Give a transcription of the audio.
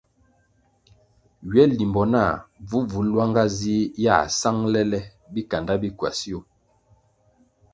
Ywe limbo nah bvubvu lwanga zih yā sangʼle le bikanda bi kwasio.